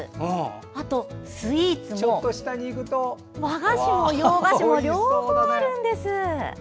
あと、スイーツも和菓子も洋菓子も両方あるんです。